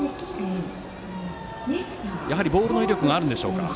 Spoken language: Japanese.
やはりボールの威力があるんでしょうか。